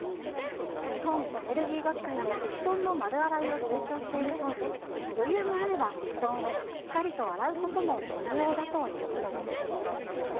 日本アレルギー学会も布団の丸洗いを推奨しているとおり、余裕があれば、布団をしっかりと洗うことも重要だということです。